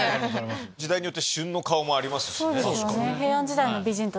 時代によって旬の顔もありますしね。